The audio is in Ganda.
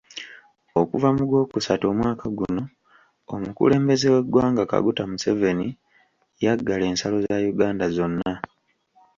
Okuva mu gwokusatu omwaka guno, omukulembeze w'eggwanga Kaguta Museveni yaggala ensalo za Uganda zonna.